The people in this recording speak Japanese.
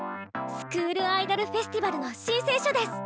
スクールアイドルフェスティバルの申請書です！